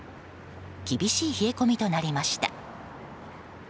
厳しい冷え込みとなりました。